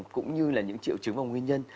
cũng như là những triệu chứng và nguyên nhân